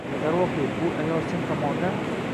Darvoqe, bu ayol sen tomondan.